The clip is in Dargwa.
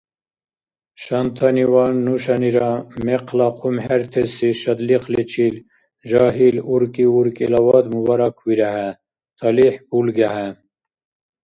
Шантаниван нушанира мекъла хъумхӀертеси шадлихъличил жагьил уркӀи-уркӀилавад мубараквирехӀе, талихӀ булгехӀе.